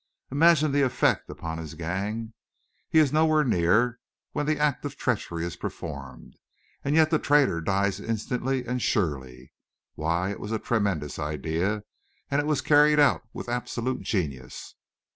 Imagine the effect upon his gang. He is nowhere near when the act of treachery is performed, and yet the traitor dies instantly and surely! Why, it was a tremendous idea! And it was carried out with absolute genius."